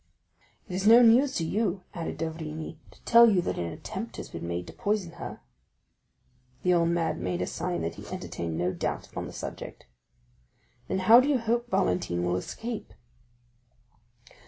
"It is no news to you," added d'Avrigny, "to tell you that an attempt has been made to poison her?" The old man made a sign that he entertained no doubt upon the subject. "Then how do you hope Valentine will escape?"